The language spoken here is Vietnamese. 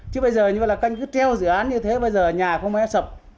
chứ bây giờ như vậy là các anh cứ treo dự án như thế bây giờ nhà không phải sập